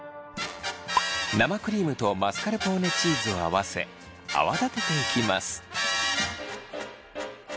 生クリームとマスカルポーネチーズを合わせ泡立てていきます。